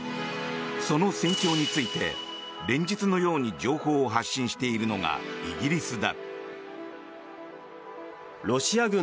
その戦況について、連日のように情報を発信しているのがイギリスだ。